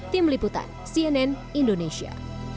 tim liputan cnn indonesia